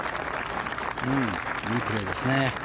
いいプレーですね。